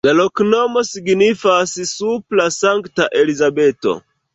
La loknomo signifas: supra-Sankta-Elizabeto.